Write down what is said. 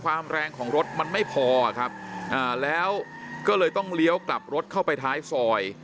แรงของรถมันไม่พอครับแล้วก็เลยต้องเลี้ยวกลับรถเข้าไปท้ายซอย